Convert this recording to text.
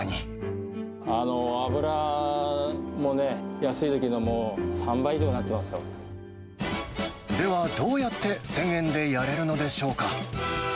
油もね、安いときの３倍以上では、どうやって１０００円でやれるのでしょうか。